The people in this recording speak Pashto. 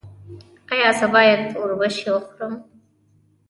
ایا زه باید اوربشې وخورم؟